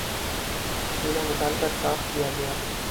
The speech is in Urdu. چولہا نکال کر صاف کیا گیا